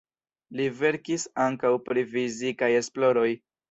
Li verkis ankaŭ pri fizikaj esploroj.